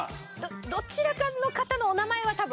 どちらかの方のお名前は多分。